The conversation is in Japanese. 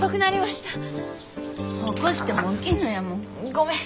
ごめん。